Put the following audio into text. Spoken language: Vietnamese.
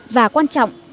và quan trọng